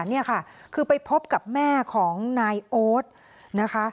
นี่ค่ะคือไปพบกับแม่ของนายโอ๊ตนะคะ